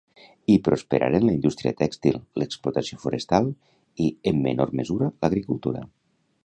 Hi prosperaren la indústria tèxtil, l'explotació forestal i, en menor mesura, l'agricultura.